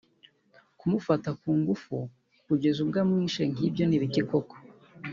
kumufata kungufu kugeza ubwo amwishe nkibyo n’ibiki koko